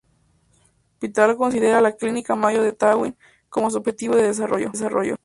El hospital considera a la "Clínica Mayo de Taiwán" como su objetivo de desarrollo.。